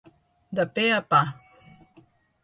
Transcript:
De pe a pa.